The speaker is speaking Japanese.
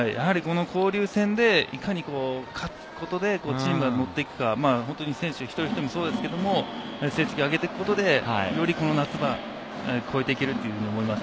交流戦でいかに勝つことでチームが乗っていくか、本当に選手、一人一人もそうですけれども、意識を上げていくことで、よりこの夏を越えていけると思います。